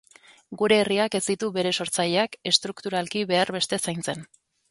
Gure herriak ez ditu bere sortzaileak estrukturalki behar beste zaintzen.